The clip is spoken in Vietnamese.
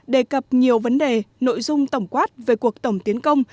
đề cập nhiều vấn đề nội dung tổng quát về cuộc tổng tiến công